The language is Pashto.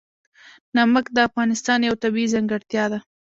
نمک د افغانستان یوه طبیعي ځانګړتیا ده.